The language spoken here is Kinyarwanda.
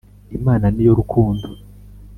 imana ni yo rukundo